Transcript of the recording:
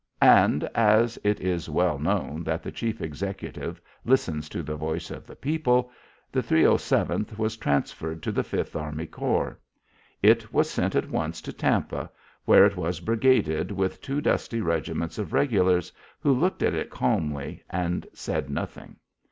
And as it is well known that the Chief Executive listens to the voice of the people, the 307th was transferred to the Fifth Army Corps. It was sent at once to Tampa, where it was brigaded with two dusty regiments of regulars, who looked at it calmly, and said nothing.